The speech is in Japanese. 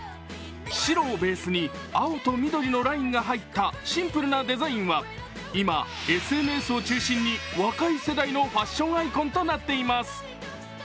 白をベースに青と緑のラインが入ったシンプルなデザインは今、ＳＮＳを中心に若い世代のファッションアイコンとなっています。